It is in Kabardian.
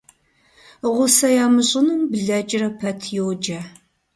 Гъусэ ямыщӀынум блэкӀрэ пэт йоджэ.